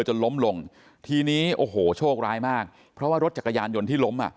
จนล้มลงทีนี้โอ้โหโชคร้ายมากเพราะว่ารถจักรยานยนต์ที่ล้มอ่ะ